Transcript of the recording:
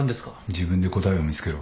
自分で答えを見つけろ。